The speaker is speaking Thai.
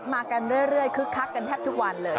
มากันเรื่อยคึกคักกันแทบทุกวันเลย